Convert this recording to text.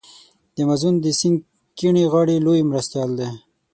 د امازون د سیند کیڼې غاړي لوی مرستیال دی.